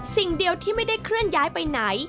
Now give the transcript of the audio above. สิ่งเดียวที่ไม่ได้เคลื่อนย้ายไปไหน